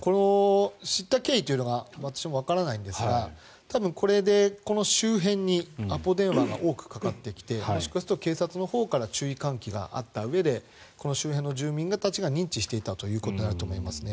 知った経緯というのが私もわからないんですが多分、これでこの周辺にアポ電話が多くかかってきてもしかすると警察のほうから注意喚起があったうえでこの周辺の住民たちが認知していたということだと思いますね。